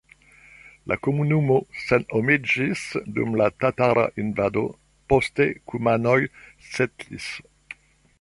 La komunumo senhomiĝis dum la tatara invado, poste kumanoj setlis.